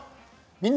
「みんな！